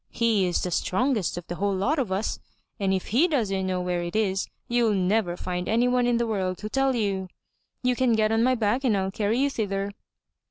He is the strongest of the whole lot of us, and if he doesn't know where it is, you'll never find anyone in the world to tell you. You can get on my back and I'll carry you thither."